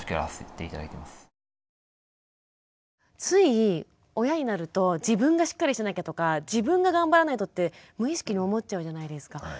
つい親になると自分がしっかりしなきゃとか自分が頑張らないとって無意識に思っちゃうじゃないですか。